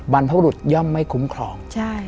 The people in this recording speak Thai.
บรรพบรุษย่อมไม่คุ้มครอง